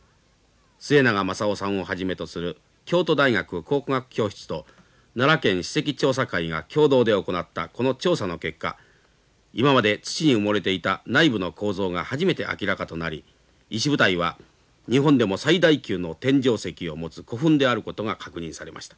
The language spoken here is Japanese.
末永雅雄さんをはじめとする京都大学考古学教室と奈良県史蹟調査会が共同で行ったこの調査の結果今まで土に埋もれていた内部の構造が初めて明らかとなり石舞台は日本でも最大級の天井石を持つ古墳であることが確認されました。